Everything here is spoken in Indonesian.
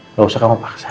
nggak usah kamu paksa